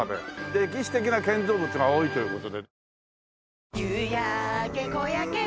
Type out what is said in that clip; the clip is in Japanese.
歴史的な建造物が多いという事で。